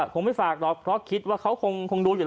ก็ไม่ฝากดีกว่าค่ะคิดว่าเขาคงดูอยู่